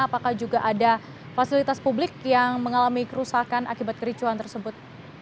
apakah juga ada fasilitas publik yang mengalami kerusakan akibat kericuan tersebut